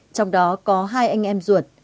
trong đó có hai anh em ruột